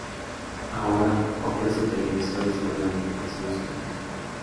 Ahora, ofrece televisores con alimentación solar.